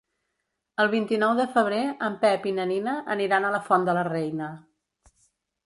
El vint-i-nou de febrer en Pep i na Nina aniran a la Font de la Reina.